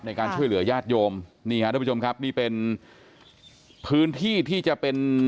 ในการช่วยเหลือญาติโยมนี่ฮะทุกผู้ชมครับนี่เป็นพื้นที่ที่จะเป็น